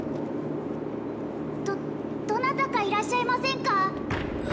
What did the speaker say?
どどなたかいらっしゃいませんか？